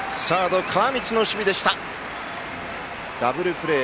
ダブルプレー！